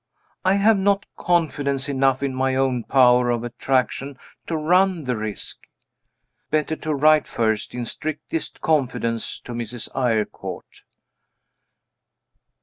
I have not confidence enough in my own power of attraction to run the risk. Better to write first, in strictest confidence, to Mrs. Eyrecourt.